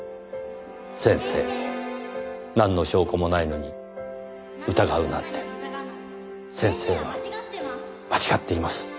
先生なんの証拠もないのに疑うなんて先生は間違っています。